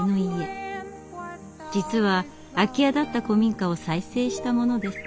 実は空き家だった古民家を再生したものです。